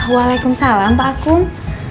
waalaikumsalam pak akung